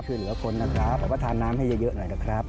ช่วยเหลือคนนะครับแต่ว่าทานน้ำให้เยอะหน่อยนะครับ